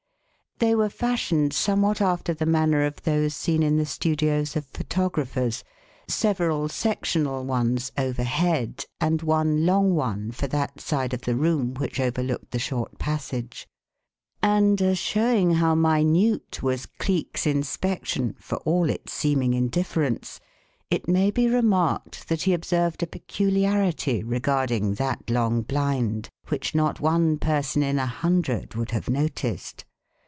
They were fashioned somewhat after the manner of those seen in the studios of photographers several sectional ones overhead and one long one for that side of the room which overlooked the short passage; and, as showing how minute was Cleek's inspection for all its seeming indifference, it may be remarked that he observed a peculiarity regarding that long blind which not one person in a hundred would have noticed.